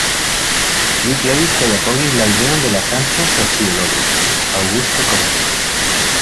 Li kredis kaj apogis la ideojn de la franca sociologo, Auguste Comte.